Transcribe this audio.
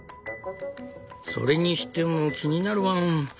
「それにしても気になるワン。